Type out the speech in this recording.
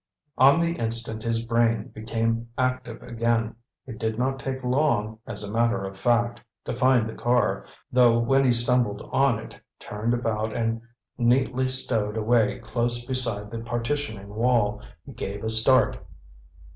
On the instant his brain became active again. It did not take long, as a matter of fact, to find the car; though when he stumbled on it, turned about and neatly stowed away close beside the partitioning wall, he gave a start.